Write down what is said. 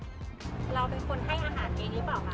เราเป็นคนให้อาหารเองหรือเปล่าคะ